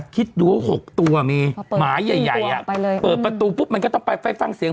คิดดูว่า๖ตัวมีหมาใหญ่เปิดประตูปุ๊บมันก็ต้องไปไปฟังเสียง